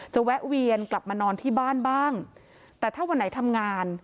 แวะเวียนกลับมานอนที่บ้านบ้างแต่ถ้าวันไหนทำงาน